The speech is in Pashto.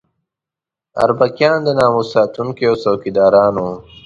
اربکیان د ناموس ساتونکي او څوکیداران وو.